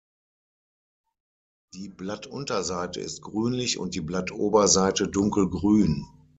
Die Blattunterseite ist grünlich und die Blattoberseite dunkelgrün.